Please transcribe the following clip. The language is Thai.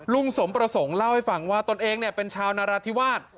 ลุงสมประสงค์เล่าให้ฟังว่าตนเองเป็นชาวนราธิวาส